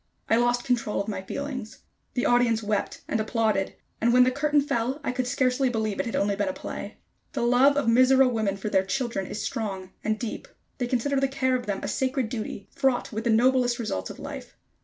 I lost control of my feelings. The audience wept and applauded; and when the curtain fell, I could scarcely believe it had only been a play. The love of Mizora women for their children is strong and deep. They consider the care of them a sacred duty, fraught with the noblest results of life.